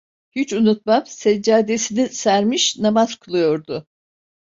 Hiç unutmam, seccadesini sermiş, namaz kılıyordu.